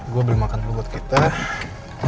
gue beli makan dulu buat kita